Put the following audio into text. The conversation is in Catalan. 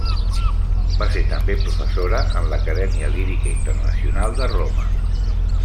Va ser també professora en l'Acadèmia Lírica Internacional de Roma.